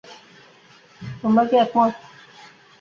তোমরা কি একমত?